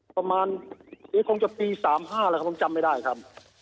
ประมาณนี้คงจะปี๓๕แล้วครับผมจำไม่ได้ครับ